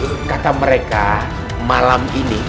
itu kata mereka malam ini